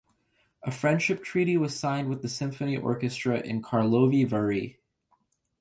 A friendship treaty was signed with the symphony orchestra in Karlovy Vary.